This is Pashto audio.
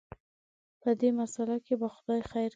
په دې مساله کې به خدای خیر کړي.